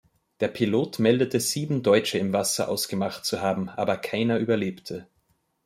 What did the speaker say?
Der Pilot meldete sieben Deutsche im Wasser ausgemacht zu haben, aber keiner überlebte.